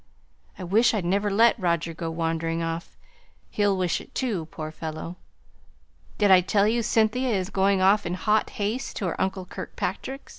I wish I'd never let Roger go wandering off; he'll wish it too, poor fellow! Did I tell you Cynthia is going off in hot haste to her uncle Kirkpatrick's?